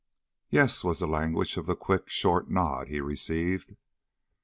"Yes," was the language of the quick, short nod he received.